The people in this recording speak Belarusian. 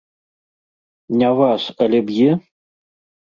Не вас, але б'е?